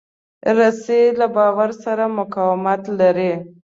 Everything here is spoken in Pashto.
رسۍ له بار سره مقاومت لري.